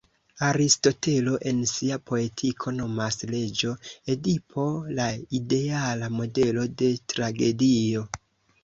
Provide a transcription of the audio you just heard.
Aristotelo en sia "Poetiko" nomas "Reĝo Edipo" la ideala modelo de tragedio.